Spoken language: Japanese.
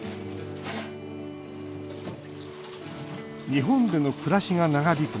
日本での暮らしが長引く